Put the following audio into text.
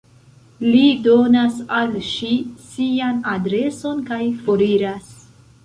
Li donas al ŝi sian adreson kaj foriras.